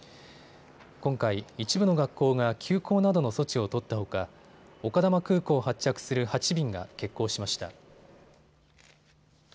今回、一部の学校が休校などの措置を取ったほか丘珠空港を発着する８便が欠航しました。